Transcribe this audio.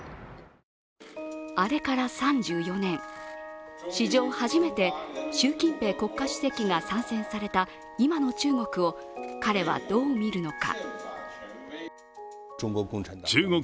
あれから３４年、史上初めて習近平国家主席が３選された今の中国を彼はどう見るのか。